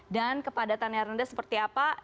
dan kepadatannya rendah seperti apa